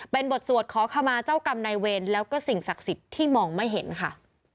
เป็นบทสวดขอขมาเจ้ากรรมนายเวรแล้วก็สิ่งศักดิ์สิทธิ์ที่มองไม่เห็นค่ะ